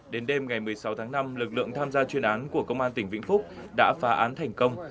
đến đêm ngày một mươi sáu tháng năm lực lượng tham gia chuyên án của công an tỉnh vĩnh phúc đã phá án thành công